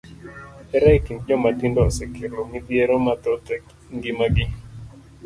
Hera e kind joma tindo osekelo midhiero mathoth e ngima gi.